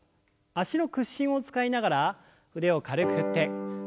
脚の屈伸を使いながら腕を軽く振って。